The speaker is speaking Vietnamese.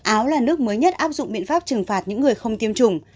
áo là nước mới nhất áp dụng biện pháp trừng phạt những người không tiêm chủng